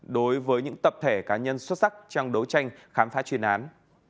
đối với những tập thể cá nhân xuất sắc trong đấu tranh khám phá chuyên án